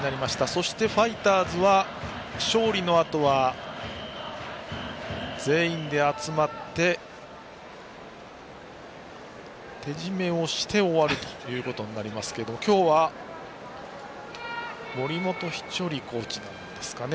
そしてファイターズは勝利のあとは全員で集まって手締めをして終わることになりますが今日は森本稀哲コーチですかね。